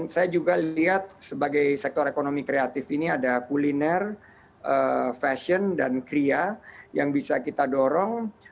saya juga lihat sebagai sektor ekonomi kreatif ini ada kuliner fashion dan kria yang bisa kita dorong